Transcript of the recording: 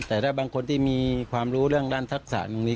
แต่ถ้าบางคนที่มีความรู้เรื่องด้านทักษะตรงนี้